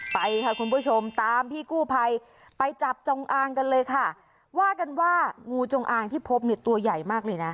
ไปค่ะคุณผู้ชมตามพี่กู้ภัยไปจับจงอางกันเลยค่ะว่ากันว่างูจงอางที่พบเนี่ยตัวใหญ่มากเลยนะ